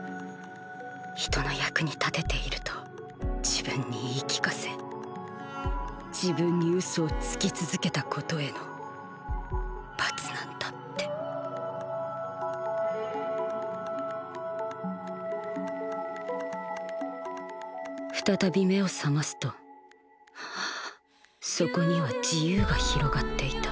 人の役に立てていると自分に言い聞かせ自分に嘘をつき続けたことへの罰なんだって再び目を覚ますとそこには自由が広がっていた。